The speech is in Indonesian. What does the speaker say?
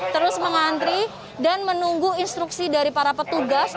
terus mengantri dan menunggu instruksi dari para petugas